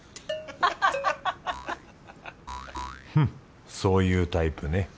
フッそういうタイプね